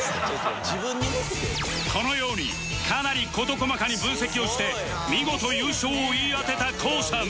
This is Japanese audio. このようにかなり事細かに分析をして見事優勝を言い当てた ＫＯＯ さん